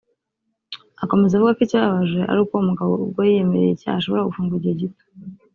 " Akomeza avuga ko ikibabaje ari uko uwo mugabo ubwo yiyemereye icyaha ashobora gufungwa igihe gito